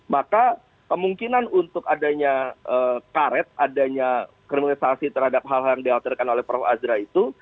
maka kemungkinan untuk adanya karet adanya kriminalisasi terhadap hal hal yang dikhawatirkan oleh prof azra itu